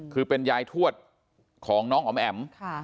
คือเป็นยายทวดของน้องอ๋อมแอ๋ม